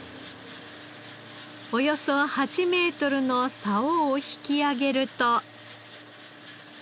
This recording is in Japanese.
およそ８メートルの竿を引き揚げると。